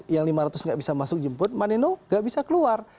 yang lima ratus nggak bisa masuk jemput mbak neno gak bisa keluar